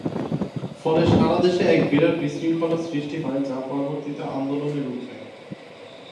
ফলে সারা দেশে এক বিরাট বিশৃঙ্খলার সৃষ্টি হয় যা পরবর্তিতে আন্দোলনে রূপ নেয়।